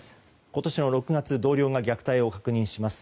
今年の６月同僚が虐待を確認します。